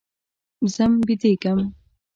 ځم بيدېږم.